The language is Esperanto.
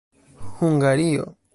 hungario